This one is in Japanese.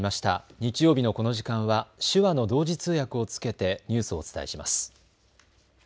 日曜日のこの時間は手話の同時通訳をつけてニュースをお伝えします。